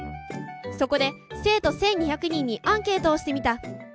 そこで生徒１，２００人にアンケートをしてみた。